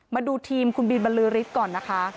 มาดูทีมคุณบินบรรลือฤทธิ์ก่อนนะคะ